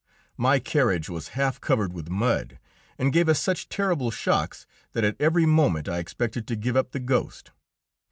My carriage was half covered with mud, and gave us such terrible shocks that at every moment I expected to give up the ghost.